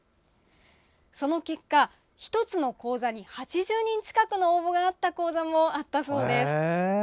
その結果、１つの講座に８０人近くの応募があった講座もあったそうです。